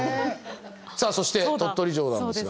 さあそして鳥取城なんですが。